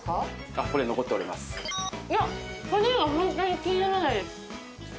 あっ骨がホントに気にならないです。